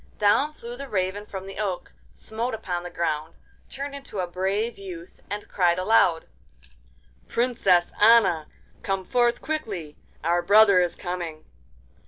Down flew the Raven from the oak, smote upon the ground, turned into a brave youth, and cried aloud: 'Princess Anna, come forth quickly! our brother is coming.